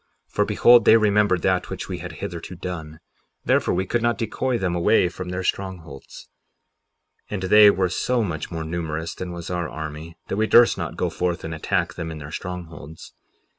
For behold, they remembered that which we had hitherto done; therefore we could not decoy them away from their strongholds. 58:2 And they were so much more numerous than was our army that we durst not go forth and attack them in their strongholds.